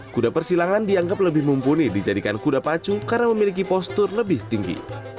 kuda persilangan dianggap lebih mumpuni dijadikan kuda pacu karena memiliki postur lebih tinggi